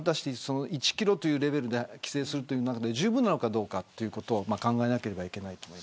１キロというレベルで規制する中で十分なのかどうかということを考えないといけません。